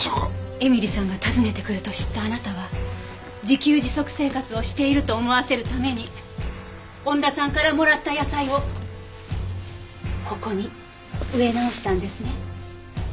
絵美里さんが訪ねてくると知ったあなたは自給自足生活をしていると思わせるために恩田さんからもらった野菜をここに植え直したんですね。